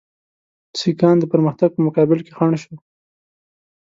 سیکهان د پرمختګ په مقابل کې خنډ شو.